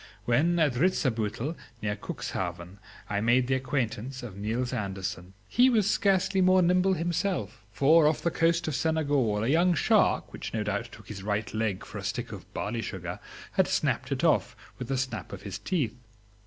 When at Ritzebuttel, near Cuxhaven, I made the acquaintance of Niels Andersen. He was scarcely more nimble himself, for off the coast of Senegal a young shark, which no doubt took his right leg for a stick of barley sugar, had snapped it off with a snap of his teeth.